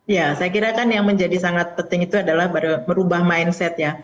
ya saya kira kan yang menjadi sangat penting itu adalah merubah mindset ya